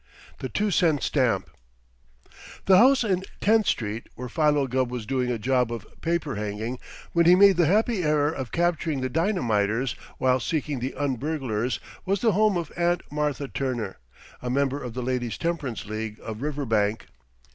THE TWO CENT STAMP The house in Tenth Street where Philo Gubb was doing a job of paper hanging when he made the happy error of capturing the dynamiters while seeking the un burglars was the home of Aunt Martha Turner, a member of the Ladies' Temperance League of Riverbank.